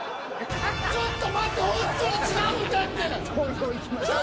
ちょっと待ってほんとに違うんだって！